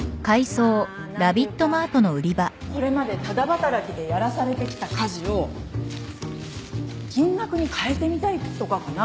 まあ何ていうかこれまでタダ働きでやらされてきた家事を金額に換えてみたいとかかな。